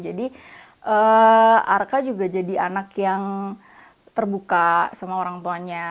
jadi arka juga jadi anak yang terbuka sama orang tuanya